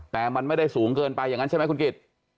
แต่มันไม่ได้สูงเกินไปอย่างนั้นใช่ไหมคุณกิจ